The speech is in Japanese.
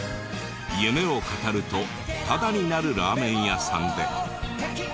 夢を語るとタダになるラーメン屋さんで。